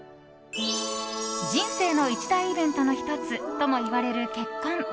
人生の一大イベントの１つともいわれる結婚。